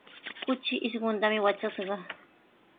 Kuchi isquntami watrashqa.